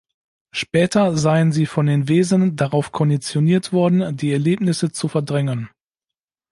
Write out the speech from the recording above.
Später seien sie von den Wesen darauf konditioniert worden, die Erlebnisse zu verdrängen.